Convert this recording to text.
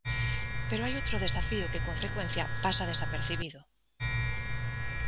Pero hai outro desafío que, con frecuencia, pasa desapercibido.